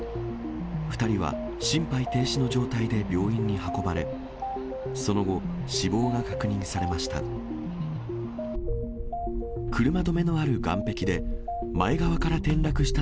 ２人は心肺停止の状態で病院に運ばれ、その後、死亡が確認されました。